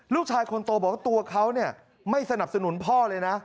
ลูกชายคนโตบอกว่าตัวเขาไม่สนับสนุนพ่อเลยนะ